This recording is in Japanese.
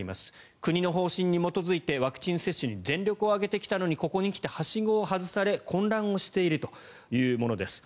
国の方針に基づいてワクチン接種に全力を挙げてきたのにここに来て、はしごを外され混乱をしているというものです。